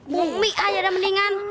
bumi aja dah mendingan